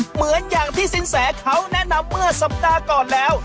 เหมือนอย่างที่สินแสเขาแนะนำเมื่อสัปดาห์ก่อนแล้ว